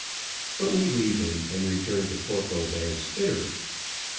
But we leave him and return to Corporal Van Spitter.